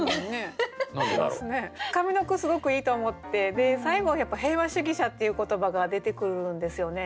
上の句すごくいいと思って最後やっぱ「平和主義者」っていう言葉が出てくるんですよね。